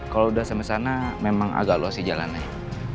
kalau udah sampai sana memang agak luas sih jalannya